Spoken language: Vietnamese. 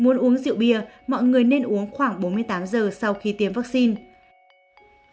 nếu muốn uống rượu bia mọi người nên uống khoảng bốn mươi tám giờ sau khi tiêm vaccine